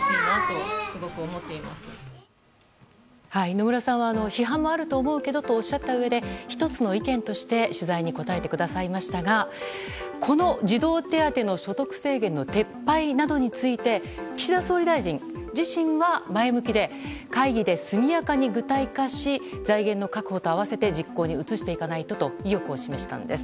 野村さんは批判もあると思うけどとおっしゃったうえで１つの意見として取材に答えてくださいましたがこの児童手当の所得制限の撤廃などについて岸田総理大臣自身は前向きで会議で速やかに具体化し財源の確保と合わせて実行に移していかないとと意欲を示したんです。